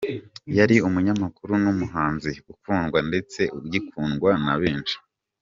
Yari Umunyamakuru n’Umuhanzi, ukundwa ndetse ugikundwa na benshi.